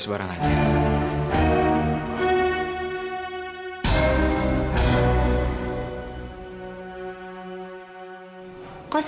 sebut yang terakhir